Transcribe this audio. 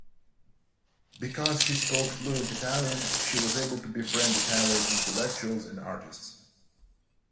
Because she spoke fluent Italian, she was able to befriend Italian intellectuals and artists.